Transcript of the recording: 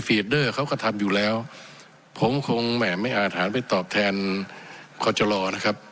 เดอร์เขาก็ทำอยู่แล้วผมคงแหม่ไม่อาจหารไปตอบแทนคอจรนะครับ